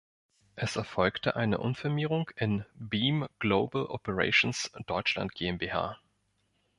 Es erfolgte eine Umfirmierung in "Beam Global Operations Deutschland GmbH".